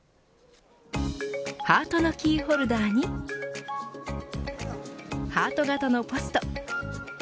ハートのキーホルダーにハート形のポスト。